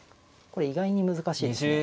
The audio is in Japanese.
これ意外に難しいですね。